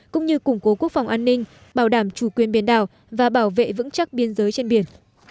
cũng như củng cố quốc phòng an ninh bảo đảm chủ quyền biển đảo và bảo vệ vững chắc biên giới trên biển